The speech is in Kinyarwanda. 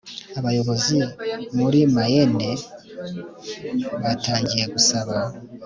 abayobozi muri mayenne batangiye gusaba